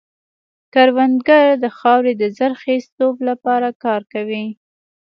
کروندګر د خاورې د زرخېزتوب لپاره کار کوي